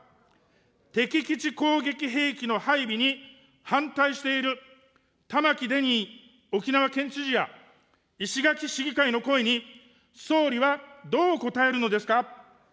敵基地攻撃兵器の配備に反対している玉城デニー沖縄県知事や石垣市議会の声に、総理はどうこたえるのですか。